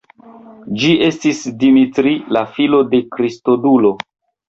Ĝi estis Dimitri, la filo de Kristodulo.